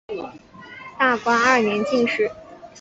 大观二年进士。